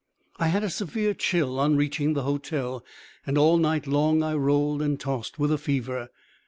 I had a severe chill on reaching the hotel, and all night long I rolled and tossed with a fever.